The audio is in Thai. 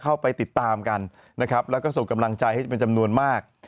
เข้าไปติดตามกันนะครับแล้วก็ส่งกำลังใจให้เป็นจำนวนมาก